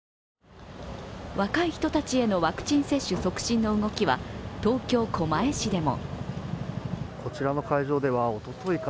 若い人たちへのワクチン接種促進の動きは東京・狛江市でも。